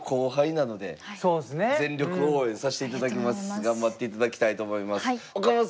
頑張っていただきたいと思います。